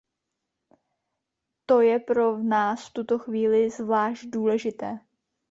To je pro nás v tuto chvíli zvlášť důležité.